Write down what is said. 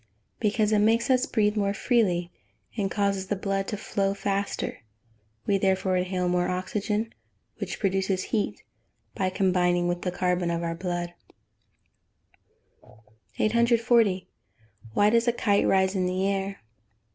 _ Because it makes us breathe more freely, and causes the blood to flow faster; we, therefore, inhale more oxygen, which produces heat by combining with the carbon of our blood. 840. _Why does a kite rise in the air?